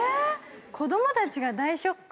子どもたちが大ショック？